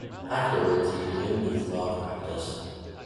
Afterwards he resumed his law practice.